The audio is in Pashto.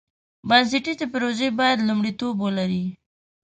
بنسټیزې پروژې باید لومړیتوب ولري.